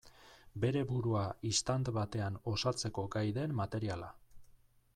Bere burua istant batean osatzeko gai den materiala.